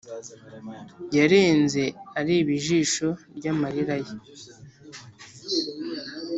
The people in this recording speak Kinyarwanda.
yarenze areba ijisho ryamarira ye